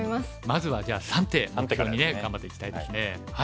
まずはじゃあ３手目標にね頑張っていきたいですね。